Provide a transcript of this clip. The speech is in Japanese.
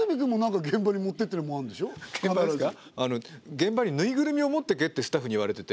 現場にぬいぐるみを持っていけってスタッフに言われてて。